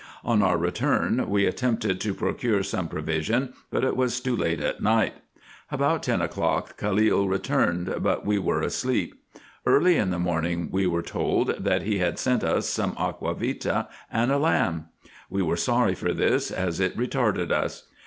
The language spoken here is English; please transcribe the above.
On our return, we attempted to procure some provision, but it was too late at night. Abovit ten o'clock, Khalil returned, but we were asleep. Early in the morning we were told, that he had sent us some aqua vitae and a lamb. We were sorry for this, as it retarded vis.